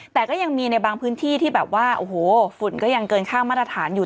แต่ก็ยังมีในบางพื้นที่ที่แบบว่าโอ้โหฝุ่นก็ยังเกินค่ามาตรฐานอยู่